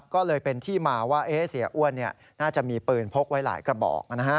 ก็เลยเป็นที่มาว่าเสียอ้วนน่าจะมีปืนพกไว้หลายกระบอก